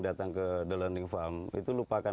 datang ke the learning farm itu lupakan